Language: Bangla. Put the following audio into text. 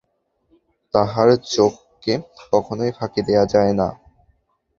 তাঁহার চোখকে কখনই ফাঁকি দেওয়া যায় না।